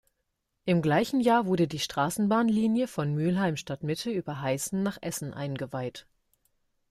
Im gleichen Jahr wurde die Straßenbahnlinie von Mülheim Stadtmitte über Heißen nach Essen eingeweiht.